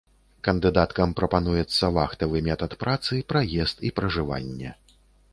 Кандыдаткам прапануецца вахтавы метад працы, праезд і пражыванне.